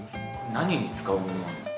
◆何に使うものなんですか。